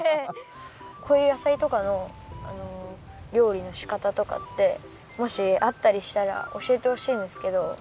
こういう野菜とかのりょうりのしかたとかってもしあったりしたらおしえてほしいんですけど。